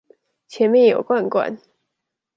前面有罐罐！